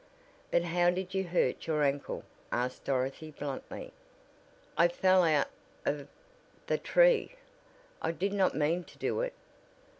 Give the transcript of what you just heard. "But how did you hurt your ankle?" asked Dorothy bluntly. "I fell out of the tree! I did not mean to do it.